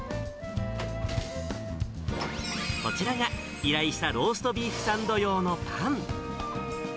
こちらが依頼したローストビーフサンド用のパン。